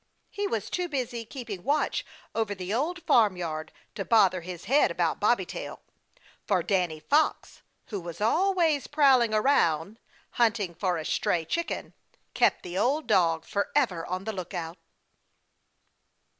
He was too busy keeping watch over the Old Farmyard to bother his head about Bobby Tail, for Danny Fox, who was always prowling around, hunting for a stray chicken, kept the old dog forever on the lookout.